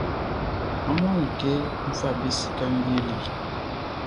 Amun a wun kɛ n fa be sikaʼn wie le?